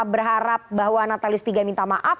berharap bahwa natalius pigai minta maaf